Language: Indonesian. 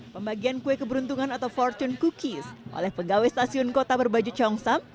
pembagian kue keberuntungan atau fortune cookies oleh pegawai stasiun kota berbaju congsam